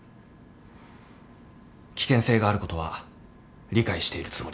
危険性があることは理解しているつもりです。